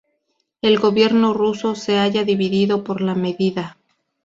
El gobierno ruso se haya dividido por la medida.